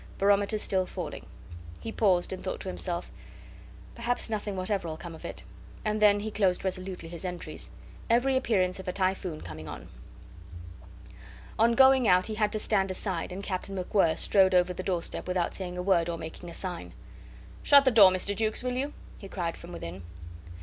Barometer still falling." He paused, and thought to himself, "Perhaps nothing whatever'll come of it." And then he closed resolutely his entries: "Every appearance of a typhoon coming on." On going out he had to stand aside, and Captain MacWhirr strode over the doorstep without saying a word or making a sign. "Shut the door, Mr. Jukes, will you?" he cried from within.